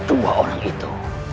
dua orang itu